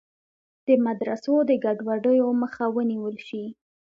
د مدرسو د ګډوډیو مخه ونیول شي.